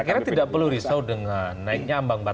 saya kira tidak perlu risau dengan naiknya ambang batas